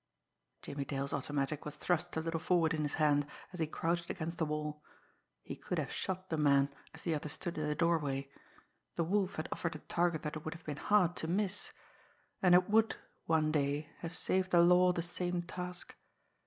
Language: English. Jimmie Dale's automatic was thrust a little forward in his hand, as he crouched against the wall. He could have shot the man, as the other stood in the doorway. The Wolf had offered a target that it would have been hard to miss and it would, one day, have saved the law the same task!